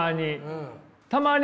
たまに。